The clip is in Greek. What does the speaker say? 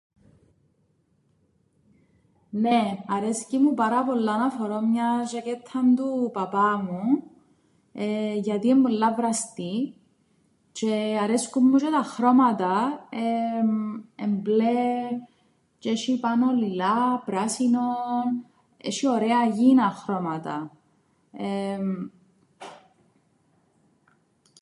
Νναι, αρέσκει μου πάρα πολλά να φορώ μιαν ζ̆ακέτταν του παπά μου, γιατί εν' πολλά βραστή τζ̆αι αρέσκουν μου τζ̆αι τα χρώματα. Εν' μπλε τζ̆αι έσ̆ει πάνω λιλά, πράσινο, έσ̆ει ωραία γήινα χρώματα. Εμμμ